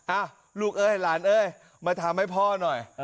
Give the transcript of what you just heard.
อ่ะลูกเอ้ยหลานเอ้ยมาทำให้พ่อหน่อย